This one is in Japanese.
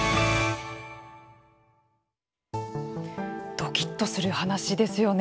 どきっとする話ですよね。